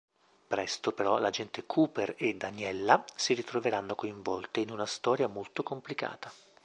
Presto però l'agente Cooper e Daniella si ritroveranno coinvolte in una storia molto complicata.